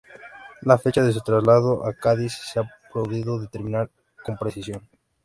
La fecha de su traslado a Cádiz, no se ha podido determinar con precisión.